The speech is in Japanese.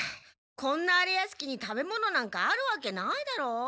こんな荒れ屋敷に食べ物なんかあるわけないだろう。